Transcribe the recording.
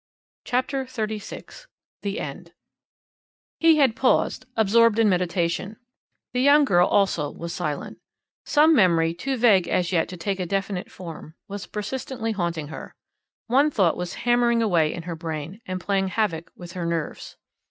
CHAPTER XXXVI THE END He had paused, absorbed in meditation. The young girl also was silent. Some memory too vague as yet to take a definite form was persistently haunting her one thought was hammering away in her brain, and playing havoc with her nerves.